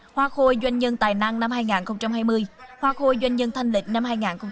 hoa khôi doanh nhân tài năng năm hai nghìn hai mươi hoa khôi doanh nhân thanh lịch năm hai nghìn hai mươi